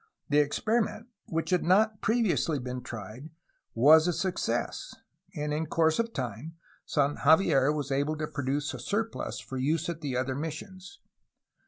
The experiment, which had not prevously been tried, was a success, and in course of time San Javier was able to produce a surplus for use at the other missions.